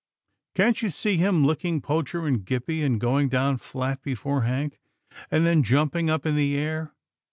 Can't you see him licking Poacher and Gippie and going down flat before Hank, and then jumping up in the air.